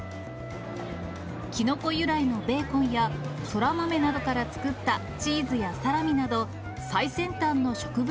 キノコ由来のベーコンや、そら豆などから作ったチーズやサラミなど、最先端の植物